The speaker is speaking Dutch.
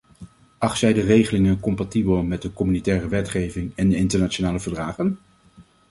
Acht zij de regelingen compatibel met de communautaire wetgeving en de internationale verdragen?